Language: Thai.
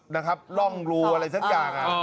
นะครับร่องรูอะไรสักอย่าง